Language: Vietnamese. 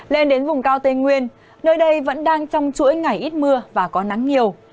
lên đến vùng cao tây nguyên nơi đây vẫn đang trong chuỗi ngày ít mưa và có nắng nhiều